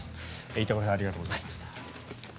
板倉さんありがとうございました。